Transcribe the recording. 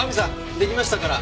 出来ましたから。